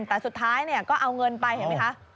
แต่สุดท้ายเนี่ยก็เอาเงินไปเห็นมั้ยคะ